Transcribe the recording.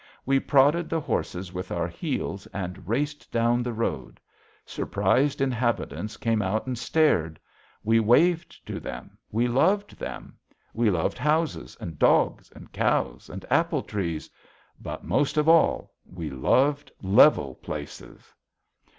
We prodded the horses with our heels and raced down the road. Surprised inhabitants came out and stared. We waved to them; we loved them; we loved houses and dogs and cows and apple trees. But most of all we loved level places.